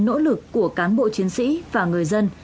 nỗ lực của cán bộ chiến sĩ và người dân